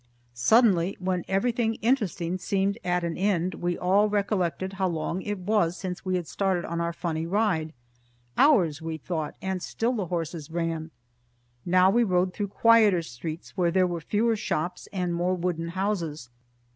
Suddenly, when everything interesting seemed at an end, we all recollected how long it was since we had started on our funny ride. Hours, we thought, and still the horses ran. Now we rode through quieter streets where there were fewer shops and more wooden houses.